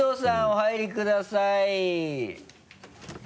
お入りください。